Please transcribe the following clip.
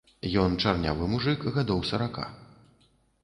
Ён чарнявы мужык гадоў сарака.